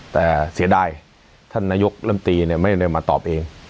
แต่เสียดายท่านนายกลำตีไม่ได้มาตอบเอง